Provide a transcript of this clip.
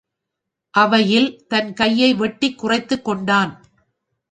அவையில் தன் கையை வெட்டிக் குறைத்துக் கொண்டான்.